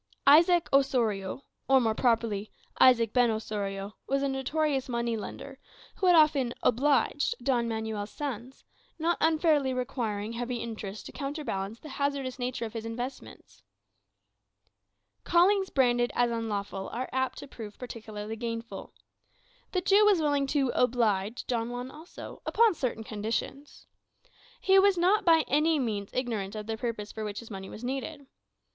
Isaac Osorio, or more properly, Isaac ben Osorio, was a notorious money lender, who had often "obliged" Don Manuel's sons, not unfairly requiring heavy interest to counter balance the hazardous nature of his investments. Callings branded as unlawful are apt to prove particularly gainful. The Jew was willing to "oblige" Don Juan also, upon certain conditions. He was not by any means ignorant of the purpose for which his money was needed.